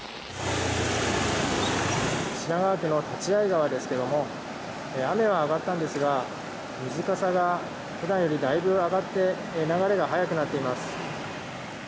品川区の立会川ですけれども雨は上がったんですが水かさが普段よりだいぶ上がって流れが速くなっています。